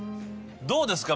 どうですか？